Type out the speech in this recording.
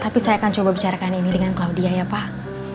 tapi saya akan coba bicarakan ini dengan claudiah ya pak